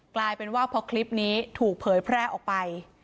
กลายเป็นว่าพอคลิปนี้ถูกเผยแพร่ออกไป